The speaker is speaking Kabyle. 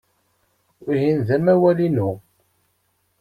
Wihin d amawal-inu.